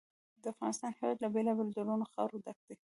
د افغانستان هېواد له بېلابېلو ډولونو خاوره ډک دی.